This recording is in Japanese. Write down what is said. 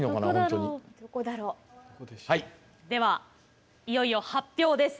どこだろう？ではいよいよ発表です。